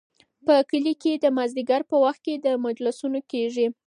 په کلي کې د مازدیګر په وخت کې مجلسونه کیږي.